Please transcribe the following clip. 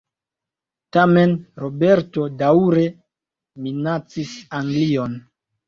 Tamen Roberto daŭre minacis Anglion.